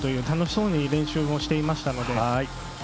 楽しそうに練習もしていましたので。